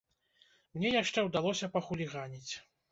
Мне яшчэ ўдалося пахуліганіць!